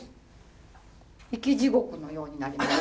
生き地獄のようになります。